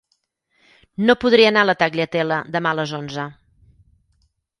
No podré anar a la Tagliatella demà a les onze.